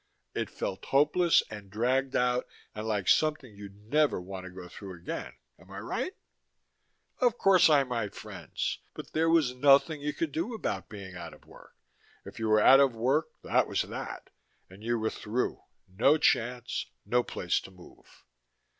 It felt hopeless and dragged out and like something you'd never want to go through again, am I right? Of course I'm right, friends. But there was nothing you could do about being out of work. If you were out of work that was that, and you were through, no chance, no place to move.